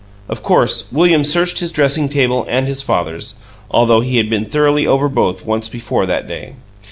Of course William searched his dressing table and his father's, although he had been thoroughly over both once before that day.